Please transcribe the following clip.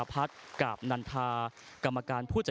การคืนจะไม่ใช่